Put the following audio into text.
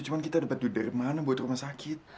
cuma kita dapat dari mana buat rumah sakit